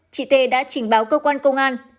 chị t đã trình báo công an